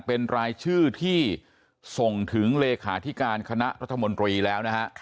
เป็นรายชื่อที่ส่งถึงเลขาธิการคณะรัฐมนตรีแล้วนะฮะ